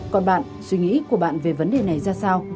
còn bạn suy nghĩ của bạn về vấn đề này ra sao